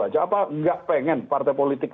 aja apa nggak pengen partai politik